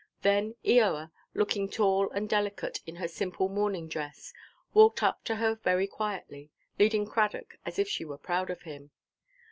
Then Eoa, looking tall and delicate in her simple mourning dress, walked up to her very quietly, leading Cradock as if she were proud of him.